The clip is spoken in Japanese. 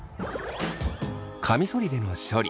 カミソリでの処理。